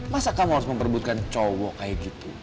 masa kamu harus memperbutkan cowok kayak gitu